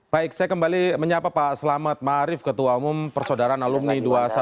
baik saya kembali menyapa pak selamat marif ketua umum persaudaraan alumni dua ratus dua belas